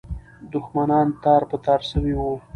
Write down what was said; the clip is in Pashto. دښمنان تار په تار سوي وو.